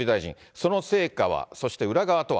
その成果は、そして裏側とは。